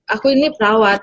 aku ini perawat